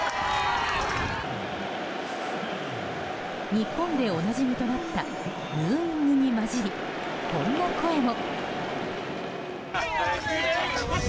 日本でおなじみとなったヌーイングに交じりこんな声も。